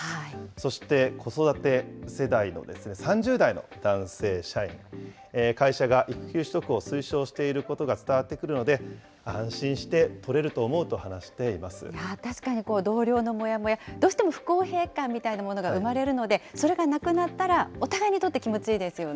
そして子育て世代の３０代の男性社員、会社が育休取得を推奨していることが伝わってくるので、安心して取れると思うと話していま確かに同僚のもやもや、どうしても不公平感みたいなものが生まれるので、それがなくなったらお互いにとって気持ちいいですよね。